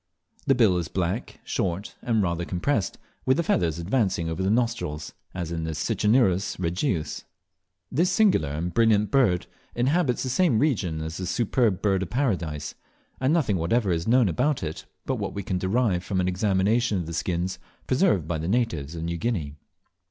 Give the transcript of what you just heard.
The bill is black, short, and rather compressed, with the feathers advancing over the nostrils, as in Cicinnurus regius. This singular and brilliant bird inhabits the same region as the Superb Bird of Paradise, and nothing whatever is known about it but what we can derive from an examination of the skins preserved by the natives of New Guinea.